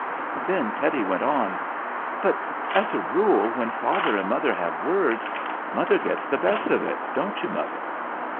Then Teddy went on : "But as a rule when father and mother have words, mother gets the best of it don't you, mother?